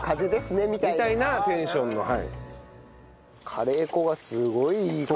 カレー粉がすごいいい香り。